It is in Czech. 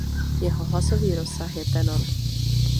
Jeho hlasový rozsah je tenor.